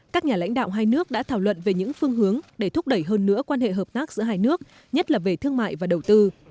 các nhà lãnh đạo hai nước đã thảo luận về những phương hướng để thúc đẩy hơn nữa quan hệ hợp tác giữa hai nước nhất là về thương mại và đầu tư